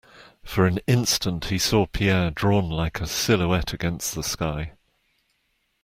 For an instant he saw Pierre drawn like a silhouette against the sky.